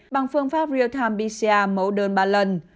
bằng phương pháp real time pcr mẫu đơn ba lần